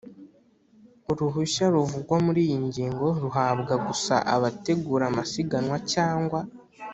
Uruhushya ruvugwa muri iyi ngingo ruhabwa gusa abategura amasiganwa cyangwa